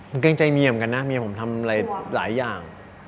มันเกรงใจเมียเหมือนกันนะเมียผมทำอะไรหลายอย่าง